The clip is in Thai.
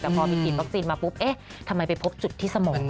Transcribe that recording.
แต่พอมีกิตล็อกซีนมาปุ๊บทำไมไปพบจุดที่สมองล่ะ